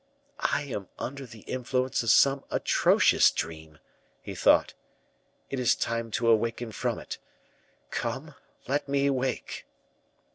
"I am under the influence of some atrocious dream," he thought. "It is time to awaken from it. Come! let me wake."